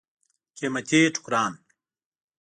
قیمتي ټوکران.